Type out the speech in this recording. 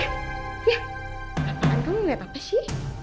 apaan kamu ngeliat apa sih